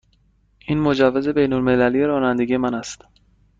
این مجوز بین المللی رانندگی من است.